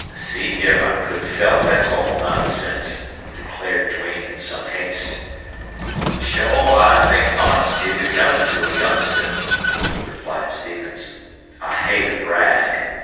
"See here, my good fellow, that's all nonsense," declared Duane, in some haste. "Shore I think modesty becomin' to a youngster," replied Stevens. "I hate a brag.